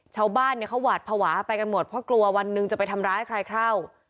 ชาวบ้านเนี่ยเขาหวาดภาวะไปกันหมดเพราะกลัววันหนึ่งจะไปทำร้ายใครเข้า